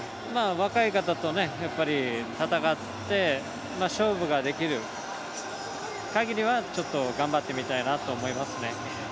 若い方と戦って勝負ができる限りは頑張ってみたいなと思いますね。